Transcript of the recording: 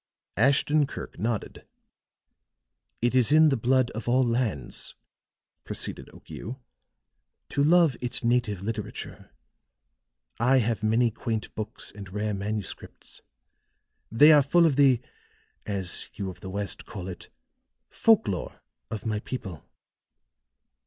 Ashton Kirk nodded. "It is in the blood of all lands," proceeded Okiu, "to love its native literature. I have many quaint books and rare manuscripts; they are full of the, as you of the West call it, folk lore of my people.